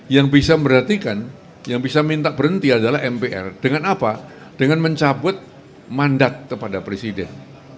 yang bisa memperhatikan yang bisa minta berhenti adalah mpr dengan apa dengan mencabut mandat kepada presiden